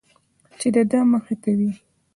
چې د ده مخې ته وي.